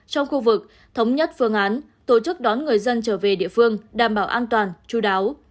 trong khu vực thống nhất phương án tổ chức đón người dân trở về địa phương đảm bảo an toàn chú đáo